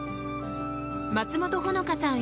松本穂香さん